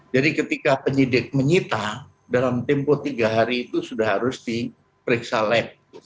jadi ketika penyidik menyita dalam tempo tiga hari itu sudah harus diperiksa lab